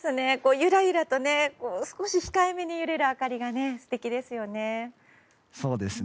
ゆらゆらと少し控えめに揺れる明かりが素敵ですよね。